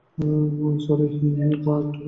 সরি-তা একটু ঠাট্টা অবশ্যি করেছি।